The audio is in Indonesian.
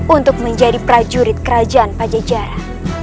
untuk menjadi prajurit kerajaan pajajaran